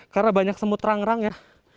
karena banyak semut rang rang ya